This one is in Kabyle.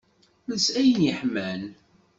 Els ayen yeḥman.